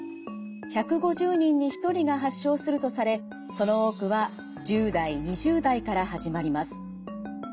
１５０人に１人が発症するとされその多くは１０代２０代から始まります。